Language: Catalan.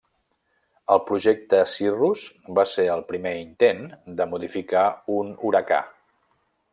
El projecte Cirrus va ser el primer intent de modificar un huracà.